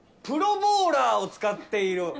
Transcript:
プロボウラーを使っている。